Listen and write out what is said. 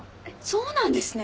そうなんですね。